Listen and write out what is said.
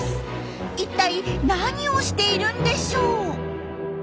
一体何をしているんでしょう？